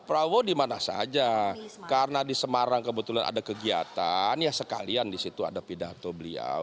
prabowo dimana saja karena di semarang kebetulan ada kegiatan ya sekalian di situ ada pidato beliau